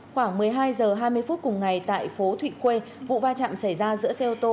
khoảng một mươi hai h hai mươi phút cùng ngày tại phố thụy khuê vụ va chạm xảy ra giữa xe ô tô